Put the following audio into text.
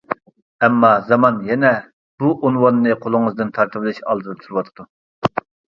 ئەمما زامان يەنە بۇ ئۇنۋاننى قولىڭىزدىن تارتىۋېلىش ئالدىدا تۇرۇۋاتىدۇ.